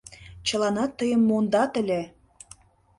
Чыланат тыйым мондат ыле...